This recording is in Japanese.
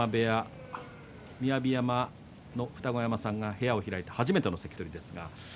雅山の二子山さんが部屋を開いて初めての関取です。